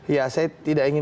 ya saya tidak ingin